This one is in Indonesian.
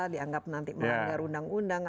dianggap nanti melanggar undang undang